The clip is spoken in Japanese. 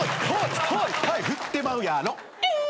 「振ってまうやろ」